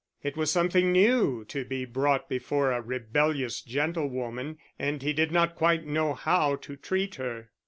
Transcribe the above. It was something new to be brought before a rebellious gentlewoman, and he did not quite know how to treat her.